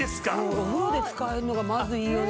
お風呂で使えるのがまずいいよね。